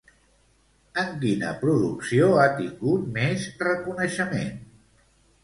En quina producció ha tingut més reconeixement?